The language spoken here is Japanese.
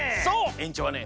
えんちょうはね